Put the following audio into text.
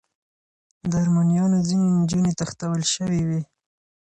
د ارمنیانو ځینې نجونې تښتول شوې وې.